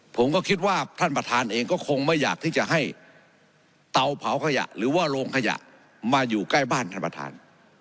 ผมก็คิดว่าท่านประธานเองก็คงไม่อยากที่จะให้เตาเผาขยะหรือว่าโรงขยะมาอยู่ใกล้บ้านท่านประธาน